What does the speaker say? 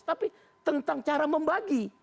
tapi tentang cara membagi